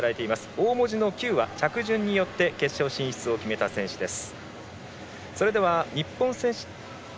大文字のＱは着順によって決勝進出を決めた選手です。